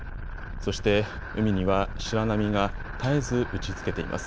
そして、海には白波が絶えず打ちつけています。